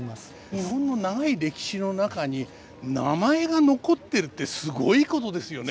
日本の長い歴史の中に名前が残ってるってすごいことですよね。